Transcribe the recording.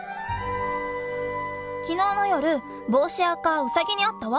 昨日の夜帽子屋かウサギに会ったわ。